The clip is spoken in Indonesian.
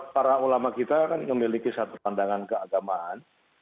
para ulama kita kan memiliki satu pandangan keagamaan